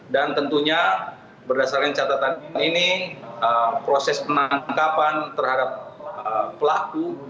dan tentunya berdasarkan catatan ini proses penangkapan terhadap pelaku